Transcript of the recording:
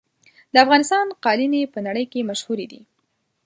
د افغانستان قالینې په نړۍ کې مشهورې دي.